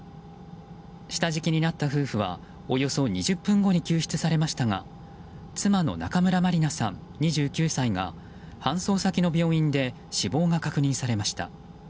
下敷きになった夫婦はおよそ２０分後に救出されましたが妻の中村まりなさん、２９歳が搬送先の病院で死亡が確認されました。